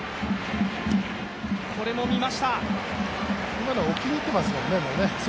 今のは置きにいってますね、もう。